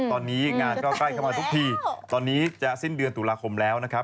ตอนนี้งานก็ใกล้เข้ามาทุกทีตอนนี้จะสิ้นเดือนตุลาคมแล้วนะครับ